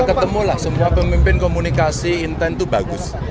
ya ketemu lah semua pemimpin komunikasi intentu bagus